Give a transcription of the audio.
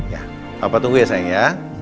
ya papa tunggu ya sayang ya